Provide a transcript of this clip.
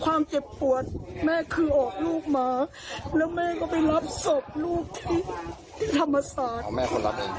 ความเจ็บปวดแม่คือออกลูกมาแล้วแม่ก็ไปรับศพลูกที่ธรรมศาสตร์